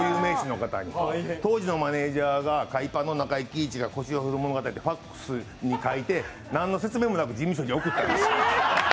当時のマネージャーが海パンの中井貴一が腰を振る物語ってファックスに書いて、何の説明もなく事務所に送ってるんです。